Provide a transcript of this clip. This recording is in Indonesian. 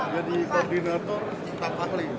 jadi koordinator tak pahli